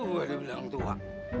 gue dibilang tua